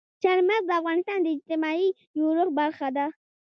چار مغز د افغانستان د اجتماعي جوړښت برخه ده.